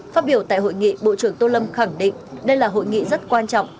phát biểu tại hội nghị bộ trưởng tô lâm khẳng định đây là hội nghị rất quan trọng